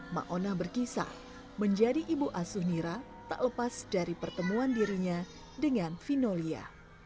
⁇ maona berkisah menjadi ibu asuh nira tak lepas dari pertemuan dirinya dengan vinolia